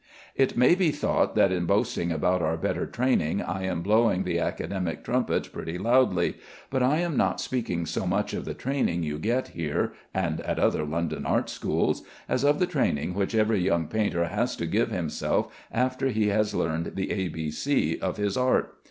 It may be thought that in boasting about our better training I am blowing the academic trumpet pretty loudly, but I am not speaking so much of the training you get here and at other London art schools, as of the training which every young painter has to give himself after he has learned the A B C of his art.